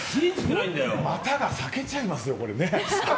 股が裂けちゃいますよ。